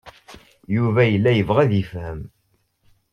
Yuba yella yebɣa ad yefhem.